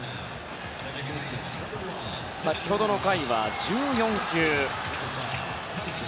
先ほどの回は１４球。